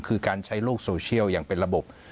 คือการใช้โลกโซเชียลอย่างเป็นระบบ